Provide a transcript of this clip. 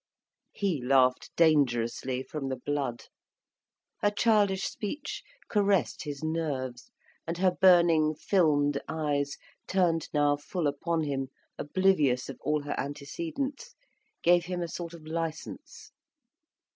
He laughed dangerously, from the blood. Her childish speech caressed his nerves, and her burning, filmed eyes, turned now full upon him, oblivious of all her antecedents, gave him a sort of licence.